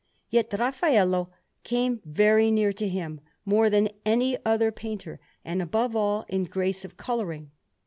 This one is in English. Yet Raffaello came very near to him, more than any other painter, and above all in grace of colouring.